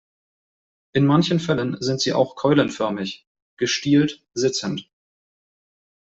In manchen Fällen sind sie auch keulenförmig, gestielt, sitzend.